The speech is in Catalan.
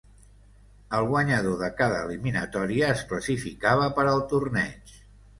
El guanyador de cada eliminatòria es classificava per al torneig.